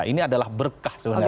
ini adalah berkah sebenarnya